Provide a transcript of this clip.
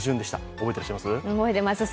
覚えていらっしゃいます？